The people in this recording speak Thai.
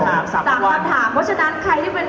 ผมจะมีของรางวัลให้เนี่ย